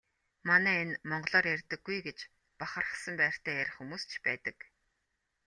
Манай энэ монголоор ярьдаггүй гэж бахархсан байртай ярих хүмүүс ч байдаг.